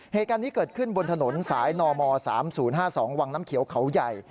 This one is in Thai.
เหตุการณ์นี้เกิดขึ้นบนถนนสายนม๓๐๕๒วังน้ำเขียวเขาใหญ่